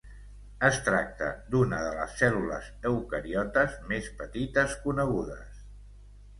Es tracta d'una de les cèl·lules eucariotes més petites conegudes.